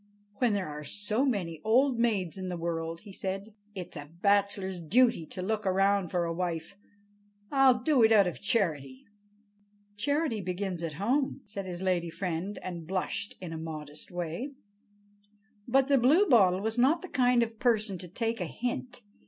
"When there are so many old maids in the world," said he, "it's a bachelor's duty to look round for a wife. I do it out of charity." "Charity begins at home," said his lady friend, and blushed in a modest way. But the Bluebottle was not the kind of person to take a hint.